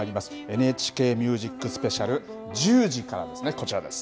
ＮＨＫＭＵＳＩＣＳＰＥＣＩＡＬ１０時からですね、こちらです。